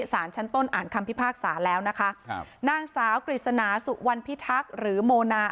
สารชั้นต้นอ่านคำพิพากษาแล้วนะคะครับนางสาวกฤษณาสุวรรณพิทักษ์หรือโมนา